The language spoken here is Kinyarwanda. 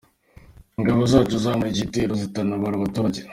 Ingabo zacu zakumiriye igitero zinatabara abaturage.